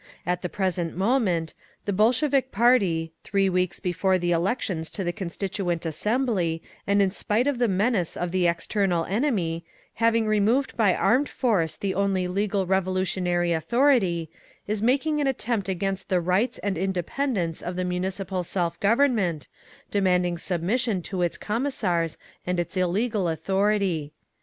At the present moment the Bolshevik party, three weeks before the elections to the Constituent Assembly, and in spite of the menace of the external enemy, having removed by armed force the only legal revolutionary authority, is making an attempt against the rights and independence of the Municipal Self Government, demanding submission to its Commissars and its illegal authority.